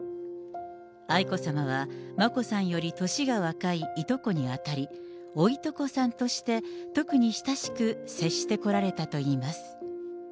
愛子さまは、眞子さんより年が若いいとこにあたり、おいとこさんとして、特に親しく接してこられたといいます。